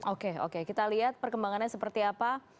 oke oke kita lihat perkembangannya seperti apa